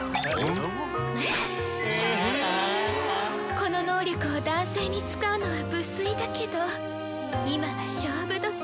この能力を男性に使うのは不粋だけど今は勝負どき。